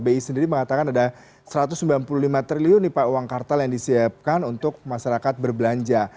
bi sendiri mengatakan ada satu ratus sembilan puluh lima triliun nih pak uang kartal yang disiapkan untuk masyarakat berbelanja